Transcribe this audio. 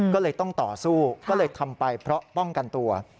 ก็เลยต้องต่อสู้ก็เลยทำไปเพราะป้องกันตัว